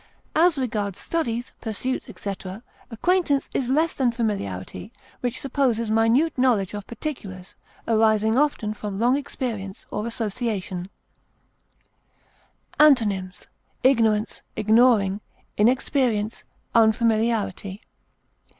As regards studies, pursuits, etc., acquaintance is less than familiarity, which supposes minute knowledge of particulars, arising often from long experience or association. Antonyms: ignorance, ignoring, inexperience, unfamiliarity.